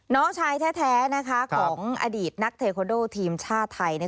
น้องชายแท้ของอดีตนักเทคอนโดทีมชาติไทย